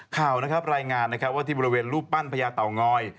ข่าวรายงานที่บริเวณรูปปั้นพญาเต๋างอย